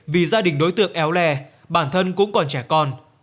vì gia đình đối tượng éo lè bản thân cũng còn trẻ con